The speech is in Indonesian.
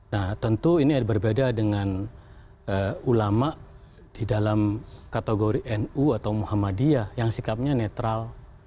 nah tentu ini berbeda dengan ulama di dalam kategori nu atau muhammadiyah yang sikapnya netral